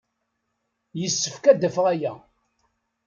Yessefk ad d-afeɣ aya.